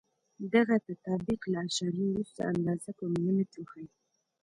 دغه تطابق له اعشاریه وروسته اندازه په ملي مترو کې ښیي.